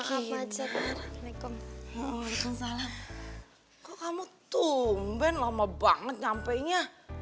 kok kamu tumben lama banget nyampainya